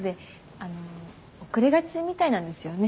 あの遅れがちみたいなんですよね